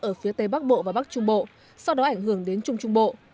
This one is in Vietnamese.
ở phía tây bắc bộ và bắc trung bộ sau đó ảnh hưởng đến trung trung bộ